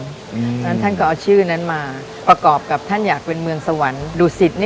เพราะฉะนั้นท่านก็เอาชื่อนั้นมาประกอบกับท่านอยากเป็นเมืองสวรรค์ดุสิต